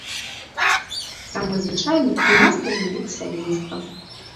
Самы звычайны і масавы від сямейства.